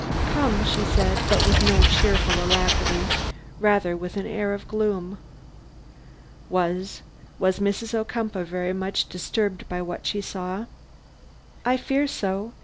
"Come," said she; but with no cheerful alacrity, rather with an air of gloom. "Was was Mrs. Ocumpaugh very much disturbed by what she saw?" "I fear so.